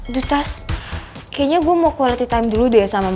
dutas kayaknya gue mau quality time dulu deh sama bu